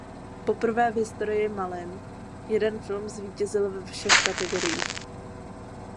Poprvé v historii Malin jeden film zvítězil ve všech kategoriích.